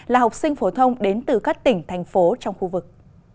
là học sinh phổ thông đến từ các tỉnh thành phố trong khu vực